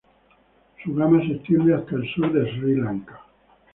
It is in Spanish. Su gama se extiende hasta el sur de Sri Lanka.